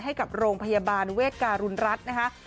ให้กับโรงพยาบาลเวทการุณรัฐนะคะ